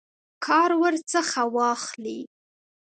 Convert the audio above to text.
کار ورڅخه واخلي.